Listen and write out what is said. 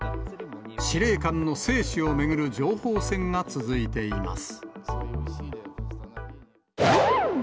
司令官の生死を巡る情報戦が続いています。